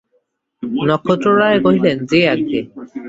নক্ষত্ররায় কহিলেন, যে আজ্ঞে।